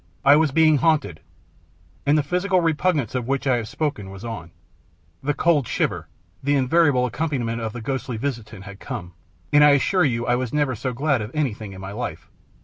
I was being haunted, and the physical repugnance of which I have spoken was on. The cold shiver, the invariable accompaniment of the ghostly visitant, had come, and I assure you I never was so glad of anything in my life.